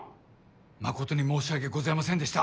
誠に申し訳ございませんでした。